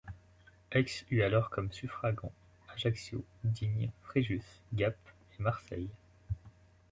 Aix eut alors comme suffragants Ajaccio, Digne, Fréjus, Gap et Marseille.